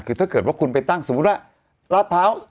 คือจะเกิดว่าคุณไม่ตั้งสมมติลาบเท้า